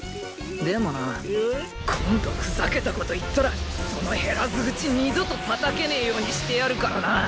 でもな今度ふざけたこと言ったらその減らず口二度とたたけねえようにしてやるからな。